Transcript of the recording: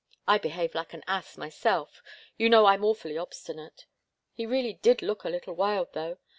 I behaved like an ass myself you know I'm awfully obstinate. He really did look a little wild, though!